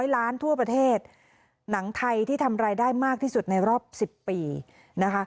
ล้านทั่วประเทศหนังไทยที่ทำรายได้มากที่สุดในรอบ๑๐ปีนะคะ